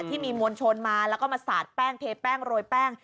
ที่มีมวลชนมาแล้วก็มาสาดแป้งเทแป้งโรยแป้ง